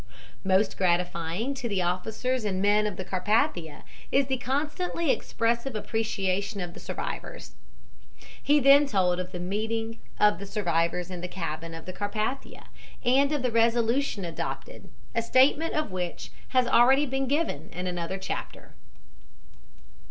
"Most gratifying to the officers and men of the Carpathia is the constantly expressive appreciation of the survivors." He then told of the meeting of the survivors in the cabin of the Carpathia and of the resolution adopted, a statement of which has already been given in another chapter.